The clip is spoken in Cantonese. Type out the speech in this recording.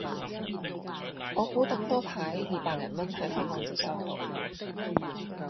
我估等多排二百零蚊喺香港就收到